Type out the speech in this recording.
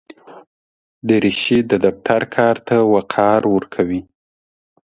دریشي د دفتر کار ته وقار ورکوي.